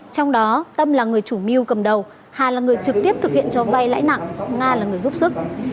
trong đó tâm là người chủ mưu cầm đầu hà là người trực tiếp thực hiện cho vay lãi nặng nga là người giúp sức